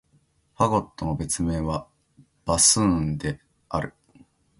ファゴットの別名は、バスーンである。